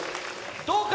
どうか？